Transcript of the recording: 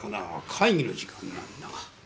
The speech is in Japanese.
会議の時間なんだが。